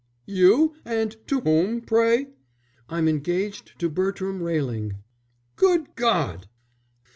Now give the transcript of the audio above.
"You? And to whom, pray?" "I'm engaged to Bertram Railing." "Good God!"